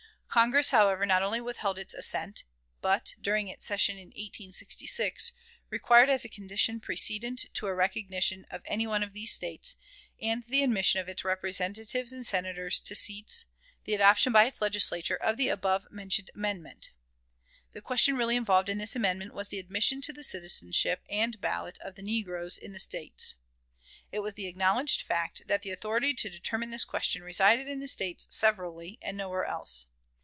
Congress, however, not only withheld its assent, but, during its session in 1866, required as a condition precedent to a recognition of any one of these States, and the admission of its Representatives and Senators to seats, the adoption by its Legislature of the above mentioned amendment. The question really involved in this amendment was the admission to citizenship and the ballot of the negroes in these States. It was the acknowledged fact that the authority to determine this question resided in the States severally and nowhere else.